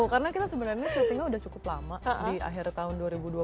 karena kita sebenarnya syutingnya sudah cukup lama di akhir tahun dua ribu dua puluh